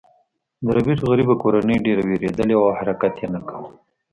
د ربیټ غریبه کورنۍ ډیره ویریدلې وه او حرکت یې نه کاوه